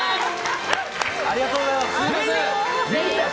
ありがとうございます！